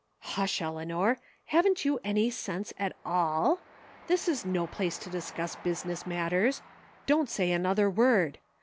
"Hush, Eleanor, haven't you any sense at all ? This is no place to discuss business matters. Don't say another word.